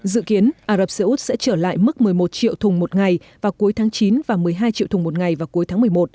dự kiến ả rập xê út sẽ trở lại mức một mươi một triệu thùng một ngày vào cuối tháng chín và một mươi hai triệu thùng một ngày vào cuối tháng một mươi một